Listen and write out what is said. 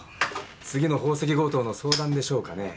次の宝石強盗の相談でしょうかねえ。